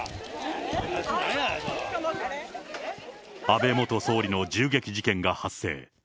安倍元総理の銃撃事件が発生。